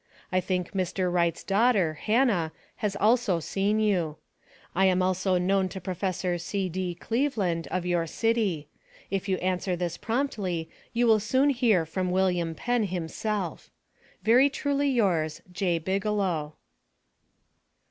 I think Mr. Wright's daughter, Hannah, has also seen you. I am also known to Prof. C.D. Cleveland, of your city. If you answer this promptly, you will soon hear from Wm. Penn himself. Very truly yours, J. BIGELOW.